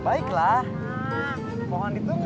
baiklah mohon ditunggu